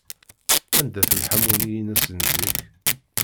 Anda-t lḥamu-nni-ines n zik?